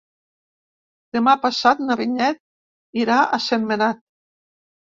Demà passat na Vinyet irà a Sentmenat.